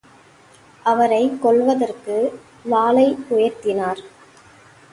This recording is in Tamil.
அவரைக் கொல்வதற்கு வாளை உயர்த்தினார்.